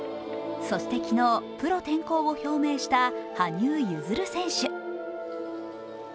そして昨日、プロ転向を表明した羽生結弦選手。